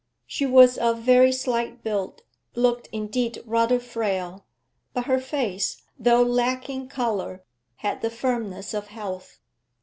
She was of very slight build, looked indeed rather frail; but her face, though lacking colour, had the firmness of health.